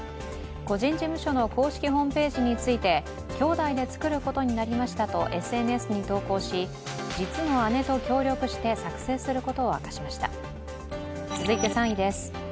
個人事務所の公式ホームページについて、姉弟で作ることになりましたとＳＮＳに投稿し、実の姉と協力して作成することを明かしました続いて３位です。